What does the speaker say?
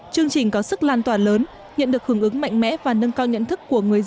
chương trình có sức lan toàn lớn nhận được hưởng ứng mạnh mẽ và nâng cao nhận thức